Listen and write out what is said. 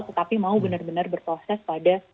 tetapi mau benar benar berproses pada